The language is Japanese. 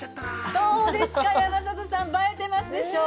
◆どうですか、山里さん、映えてますでしょう？